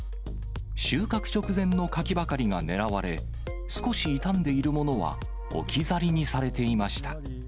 収穫直前の柿ばかりが狙われ、少し傷んでいるものは置き去りにされていました。